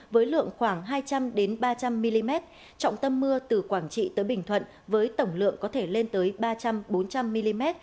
với lượng khoảng hai trăm linh ba trăm linh mm trọng tâm mưa từ quảng trị tới bình thuận với tổng lượng có thể lên tới ba trăm linh bốn trăm linh mm